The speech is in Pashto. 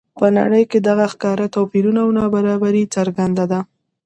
په نړۍ کې دغه ښکاره توپیرونه او نابرابري څرګنده ده.